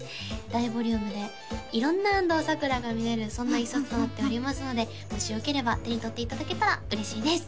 大ボリュームで色んな安藤咲桜が見れるそんな１冊となっておりますのでもしよければ手にとっていただけたら嬉しいです